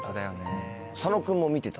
佐野君も見てた？